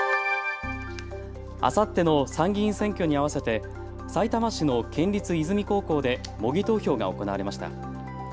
あさっての参議院選挙に合わせてさいたま市の県立いずみ高校で模擬投票が行われました。